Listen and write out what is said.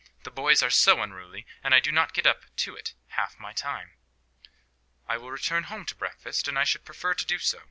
The boys are so unruly; and I do not get up to it half my time." "I will return home to breakfast. I should prefer to do so.